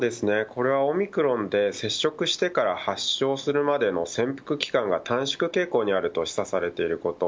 これはオミクロンで接触してから発症するまでの潜伏期間が短縮傾向にあると示唆されていること。